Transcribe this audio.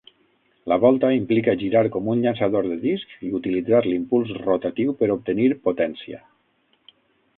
La volta implica girar com un llançador de disc i utilitzar l'impuls rotatiu per obtenir potència.